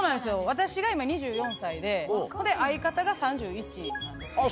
私が今２４歳で相方が３１なんですけど。